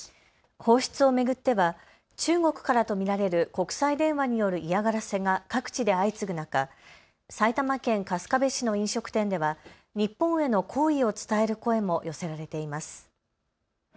放出を巡っては中国からと見られる国際電話による嫌がらせが各地で相次ぐ中、埼玉県春日部市の飲食店では日本への好意を伝える声も寄せられています。